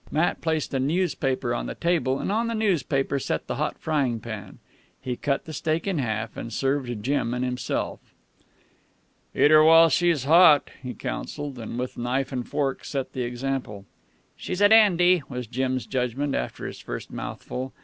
Matt placed a newspaper on the table, and on the newspaper set the hot frying pan. He cut the steak in half, and served Jim and himself. "Eat her while she's hot," he counselled, and with knife and fork set the example. "She's a dandy," was Jim's judgment, after his first mouthful.